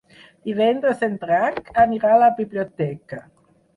Divendres en Drac anirà a la biblioteca.